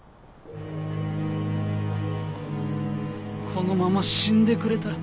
このまま死んでくれたら。